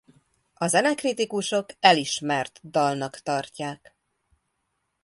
A zenekritikusok elismert dalnak tartják.